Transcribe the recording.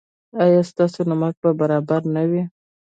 ایا ستاسو نمک به برابر نه وي؟